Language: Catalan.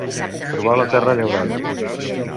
Trobar la terra llaurada.